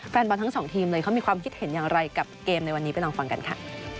แฟนบอลทั้งสองทีมเลยเขามีความคิดเห็นอย่างไรกับเกมในวันนี้ไปลองฟังกันค่ะ